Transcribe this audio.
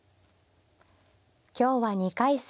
今日は２回戦